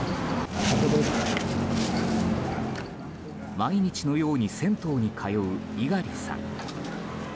毎日のように銭湯に通う猪狩さん。